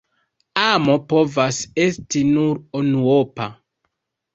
Amo povas esti nur unuopa.